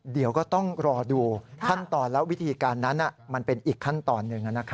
เดี๋ยวก็ต้องรอดูขั้นตอนและวิธีการนั้นมันเป็นอีกขั้นตอนหนึ่ง